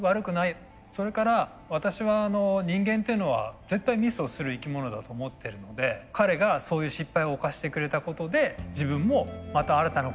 それから私は人間っていうのは絶対ミスをする生き物だと思ってるので彼がそういう失敗を犯してくれたことで自分もまた新たなことを勉強できる。